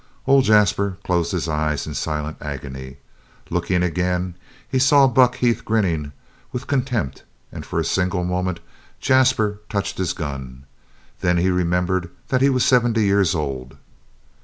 Old Jasper closed his eyes in silent agony. Looking again, he saw Buck Heath grinning with contempt, and for a single moment Jasper touched his gun. Then he remembered that he was seventy years old.